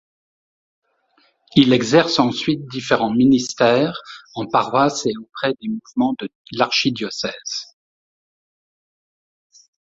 Il exerce ensuite différents ministères en paroisses et auprès des mouvements de l'archidiocèse.